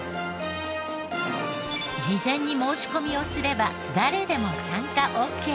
事前に申し込みをすれば誰でも参加オーケー。